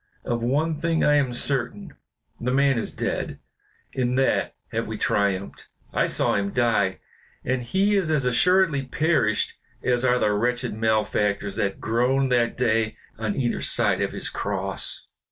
Of one thing I am certain, the man is dead; in that have we triumphed. I saw him die, and he is as assuredly perished as are the wretched malefactors that groaned that day on either side of his cross."